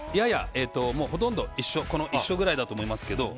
ほとんど一緒くらいだと思いますけど。